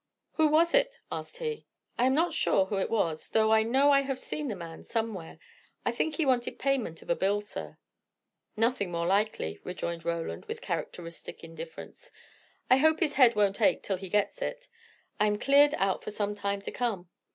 "Who was it?" asked he. "I am not sure who it was, though I know I have seen the man, somewhere. I think he wanted payment of a bill, sir." "Nothing more likely," rejoined Roland, with characteristic indifference. "I hope his head won't ache till he gets it! I am cleared out for some time to come.